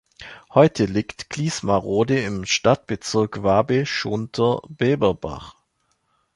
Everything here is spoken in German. Heute liegt Gliesmarode im Stadtbezirk Wabe-Schunter-Beberbach.